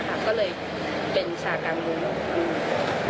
ก็เลยเป็นชากางมุ้ง